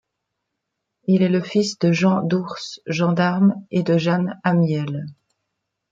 Il est le fils de Jean Dours, gendarme et de Jeanne Amiel.